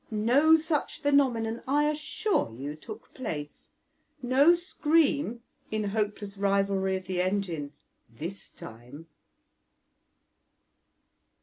No such phenomenon, I assure you, took place. No scream in hopeless rivalry of the engine this time!